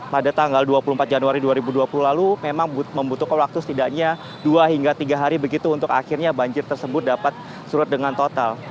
pada tanggal dua puluh empat januari dua ribu dua puluh lalu memang membutuhkan waktu setidaknya dua hingga tiga hari begitu untuk akhirnya banjir tersebut dapat surut dengan total